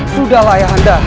sudahlah ayah anda